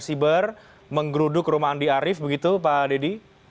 siber menggeruduk rumah andi arief begitu pak dedy